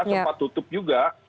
sempat tutup juga